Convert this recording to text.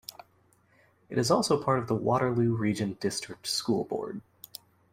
It is also part of the Waterloo Region District School Board.